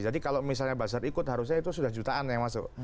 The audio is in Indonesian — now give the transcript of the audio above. jadi kalau misalnya buzzer ikut harusnya itu sudah jutaan yang masuk